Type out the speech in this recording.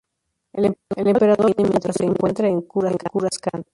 El Emperador Palpatine mientras se encuentra en Coruscant.